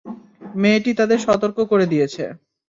মেয়েটি তাদের সতর্ক করে দিয়েছে।